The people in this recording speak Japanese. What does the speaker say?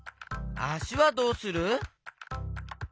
あしはどうする？